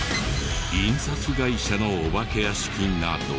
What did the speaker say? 印刷会社のお化け屋敷など。